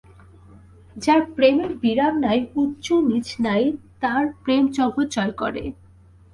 যার প্রেমের বিরাম নাই, উচ্চ নীচ নাই, তার প্রেম জগৎ জয় করে।